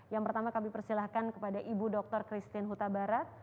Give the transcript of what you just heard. yang pertama kami persilahkan kepada ibu dr christine huta barat